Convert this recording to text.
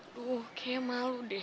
duh kayaknya malu deh